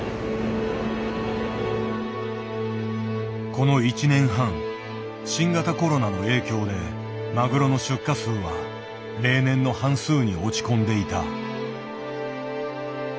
この１年半新型コロナの影響でマグロの出荷数は例年の半数に落ち込んでいた。